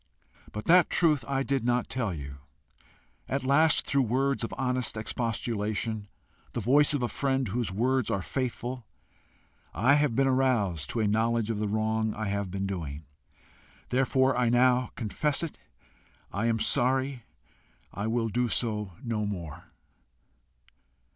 But that truth I did not tell you. At last, through words of honest expostulation, the voice of a friend whose wounds are faithful, I have been aroused to a knowledge of the wrong I have been doing. Therefore I now confess it. I am sorry. I will do so no more.